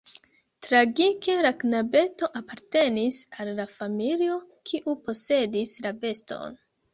Tragike la knabeto apartenis al la familio, kiu posedis la beston.